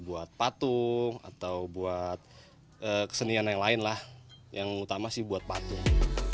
buat patung atau buat kesenian yang lain lah yang utama sih buat patung